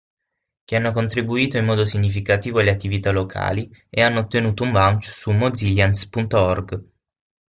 Che hanno contribuito in modo significativo alle attività Locali e hanno ottenuto un vouch su mozillians.org.